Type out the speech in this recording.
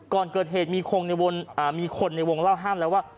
ก่อนเกิดเหตุมีคนในวงเล่าห้ามแล้วว่า